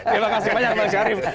terima kasih banyak bang sarif